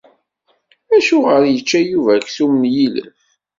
Acuɣer i yečča Yuba aksum n yilef.